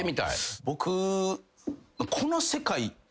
僕。